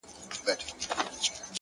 هوښیار انسان له هر حالت درس اخلي!.